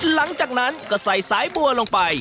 หลังจากนั้นก็ใส่สายบัวลงไป